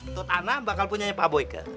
tutana bakal punyanya pak boyke